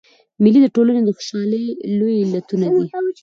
مېلې د ټولني د خوشحالۍ لوی علتونه دي.